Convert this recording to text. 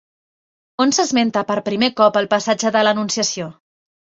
On s'esmenta per primer cop el passatge de l'Anunciació?